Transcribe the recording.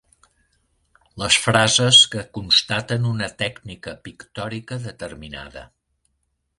Les frases que constaten una tècnica pictòrica determinada.